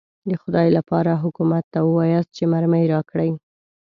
د خدای لپاره حکومت ته ووایاست چې مرمۍ راکړي.